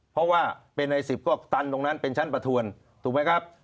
เพราะว่าเป็นใน๑๐ก็ตันตรงนั้นเป็นชั้นประทวนถูกไหมครับ